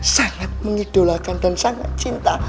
sangat mengidolakan dan sangat cinta